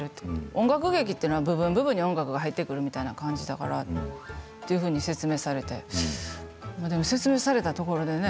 音楽劇というのは部分部分に音楽が入ってくるみたいな感じだからというふうに説明されてまあ、でも説明されたところでね